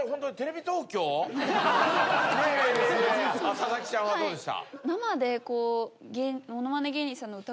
佐々木ちゃんはどうでした？